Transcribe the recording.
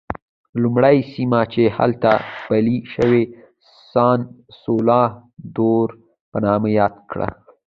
لومړی سیمه چې هلته پلی شو سان سولوا دور په نامه یاد کړه.